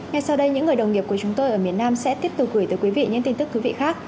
ngay sau đây những người đồng nghiệp của chúng tôi ở miền nam sẽ tiếp tục gửi tới quý vị những tin tức thú vị khác